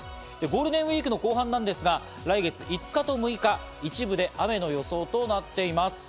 ゴールデンウイークの後半なんですが来月５日と６日、一部で雨の予想となっています。